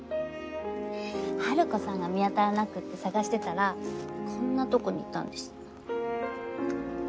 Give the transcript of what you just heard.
ハルコさんが見当たらなくって捜してたらこんなとこにいたんです。